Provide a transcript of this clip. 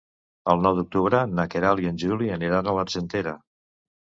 El nou d'octubre na Queralt i en Juli aniran a l'Argentera.